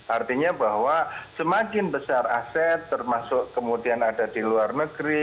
artinya bahwa semakin besar aset termasuk kemudian ada di luar negeri